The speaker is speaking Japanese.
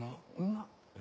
女。